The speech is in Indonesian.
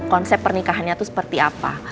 konsep pernikahannya itu seperti apa